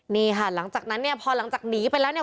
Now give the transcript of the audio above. นี่ค่ะหลังจากนั้นเนี่ยพอหลังจากหนีไปแล้วเนี่ย